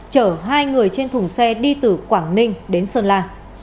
chở hai người trên thùng xe đi từ quảng ninh đến sơn la